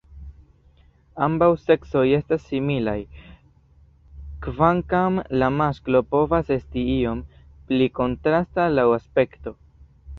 Ambaŭ seksoj estas similaj, kvankam la masklo povas esti iom pli kontrasta laŭ aspekto.